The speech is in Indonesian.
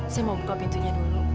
saya mau buka pintunya dulu